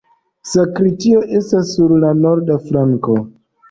Sakristio estas sur norda flanko.